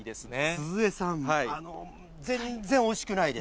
鈴江さん、全然惜しくないです。